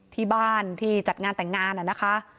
ที่บ้านที่จัดงานแต่งงานนะคะ